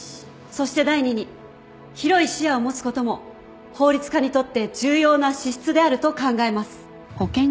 そして第二に広い視野を持つことも法律家にとって重要な資質であると考えます。